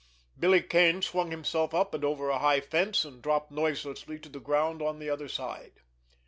Billy Kane swung himself up and over a high fence, and dropped noiselessly to the ground on the other side.